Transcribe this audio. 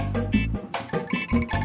padahal tu class nyemang